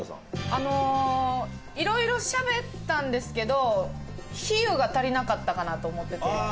あの色々しゃべってたんですけど比喩が足りなかったかなと思っていて。